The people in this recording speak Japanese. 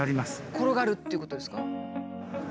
転がるっていうことですか。